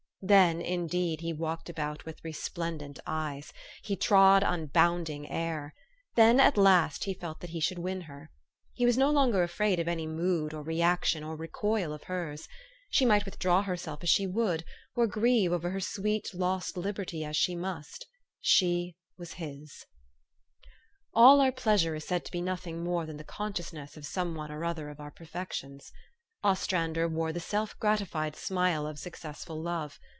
Then, indeed, he walked about with resplendent eyes. He trod on bounding air. Then, at last, he felt that he should win her. He was no longer afraid of any mood, or re action, or recoil of hers. She might withdraw herself as she would, or grieve over her sweet, lost liberty as she must: she was his. THE STORY OF AVIS. 207 All our pleasure is said to be nothing more than the consciousness of some one or other of our per fections. Ostrander wore the self gratified smile of successful love.